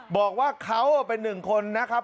บอกว่าเขาเป็นหนึ่งคนนะครับ